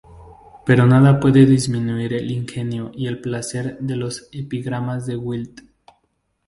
Pero nada puede disminuir el ingenio y el placer de los epigramas de Wilde".